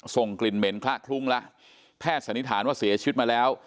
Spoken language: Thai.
ส่งกลิ่นเหม็นคละคลุ้งแล้วแพทย์สันนิษฐานว่าเสียชีวิตมาแล้ว